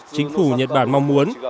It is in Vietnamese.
chính phủ nhật bản mong muốn